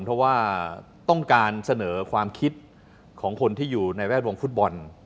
เพราะว่าต้องการเสนอความคิดของคนที่อยู่ในแวดวงฟุตบอล